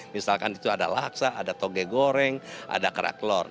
misalkan itu ada laksa ada toge goreng ada karaklor